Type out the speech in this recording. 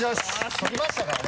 取りましたからね